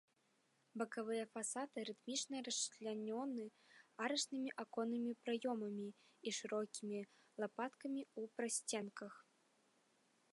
Бакавыя фасады рытмічна расчлянёны арачнымі аконнымі праёмамі і шырокімі лапаткамі ў прасценках.